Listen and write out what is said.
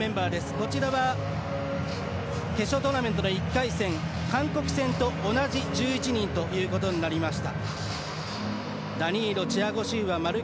こちらは決勝トーナメントの１回戦韓国戦と同じ１１人ということになりました。